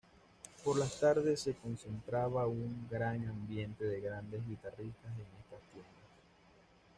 Por las tardes se concentraba un gran ambiente de grandes guitarristas en estas tiendas.